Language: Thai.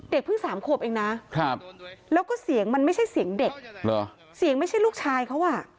เพิ่ง๓ขวบเองนะแล้วก็เสียงมันไม่ใช่เสียงเด็กเสียงไม่ใช่ลูกชายเขาอ่ะ